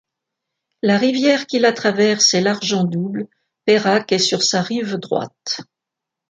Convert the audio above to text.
La rivière qui la traverse est l'Argent-Double, Peyriac est sur sa rive droite.